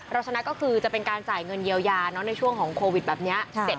ชนะก็คือจะเป็นการจ่ายเงินเยียวยาในช่วงของโควิดแบบนี้